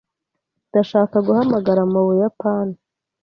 Ndashaka guhamagara mu Buyapani.